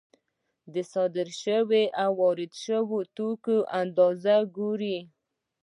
د صادر شویو او وارد شویو توکو اندازه ګوري